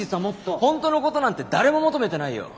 本当のことなんて誰も求めてないよ。